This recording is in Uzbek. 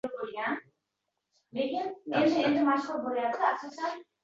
Keyin, men senga nimadir sovg‘a ham qilmoqchiman...